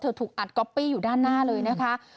ถูกอัดก๊อปปี้อยู่ด้านหน้าเลยนะคะ